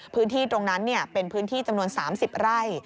พื้นที่ตรงนั้นเป็นพื้นที่จำนวน๓๐ไร่